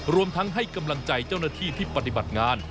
รวมทั้งให้กำลังใจเจ้าหน้าที่ที่ปฏิบัติงาน